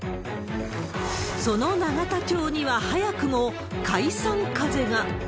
その永田町には早くも解散風が。